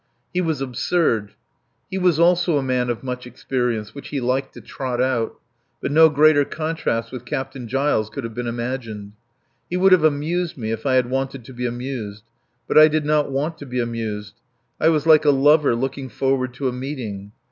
He was absurd. He was also a man of much experience, which he liked to trot out; but no greater contrast with Captain Giles could have been imagined. He would have amused me if I had wanted to be amused. But I did not want to be amused. I was like a lover looking forward to a meeting.